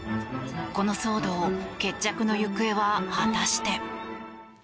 この騒動決着の行方は果たして。